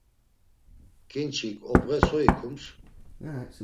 Ǩinçik obğe so ikums?